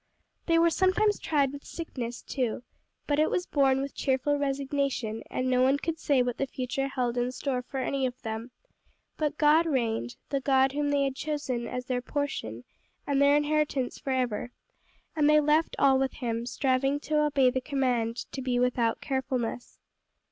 They were sometimes tried with sickness too, but it was borne with cheerful resignation; and no one could say what the future held in store for any of them; but God reigned, the God whom they had chosen as their portion, and their inheritance forever, and they left all with him, striving to obey the command to be without carefulness.